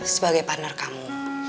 sebagai partner kamu